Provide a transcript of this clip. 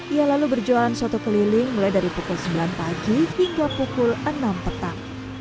ia lalu berjualan soto keliling mulai dari pukul sembilan pagi hingga pukul enam petang